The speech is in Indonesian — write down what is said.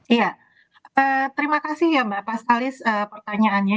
iya terima kasih ya mbak pastalis pertanyaannya